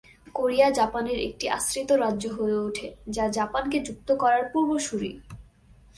Korea জাপানের একটি আশ্রিত রাজ্য হয়ে ওঠে, যা জাপানকে যুক্ত করার পূর্বসূরী।